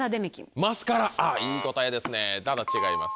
いい答えですねただ違います。